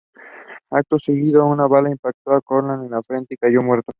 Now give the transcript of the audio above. Acto seguido, una bala impactó a Conrad en la frente y cayó muerto.